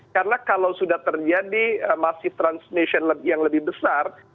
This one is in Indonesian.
karena kalau sudah terjadi masih transmission yang lebih besar